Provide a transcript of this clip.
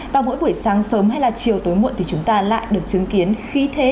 vào mỗi buổi sáng sớm hay là chiều tối muộn thì chúng ta lại được chứng kiến khí thế